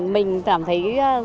mình cảm thấy